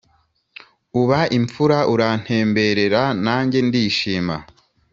Uba imfura urantemberera nanjye ndishima